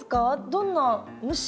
どんな虫？